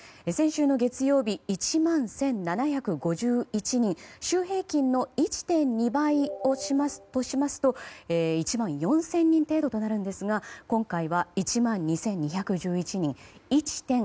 先週の月曜日１万１７５１人週平均の１．２倍としますと１万４０００人程度となるんですが今回は１万２２１１人。